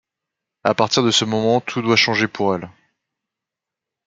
A partir de ce moment, tout doit changer pour elle.